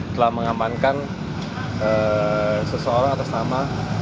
telah mengamankan seseorang atas nama